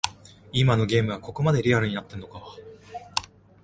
今のゲームの映像はここまでリアルになってんのか